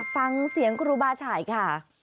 ฟังเสียงครูบาฉ่ายค่ะ